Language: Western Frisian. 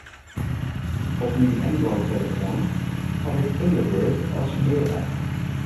Op myn Android-telefoan haw ik Thunderbird as mail-app.